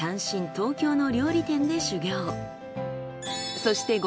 東京の料理店で修業。